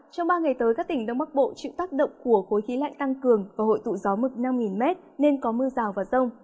trong ba ngày tới các tỉnh đông bắc bộ chịu tác động của khối khí lạnh tăng cường và hội tụ gió mực năm m nên có mưa rào và rông